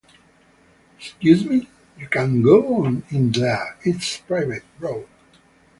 Excuse me? You can't go in there, it's private, bro.